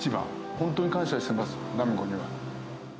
本当に感謝してます、奈美子には。